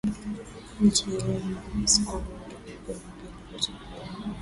nchi yenye Waislamu wengi kuliko nyingine zote duniani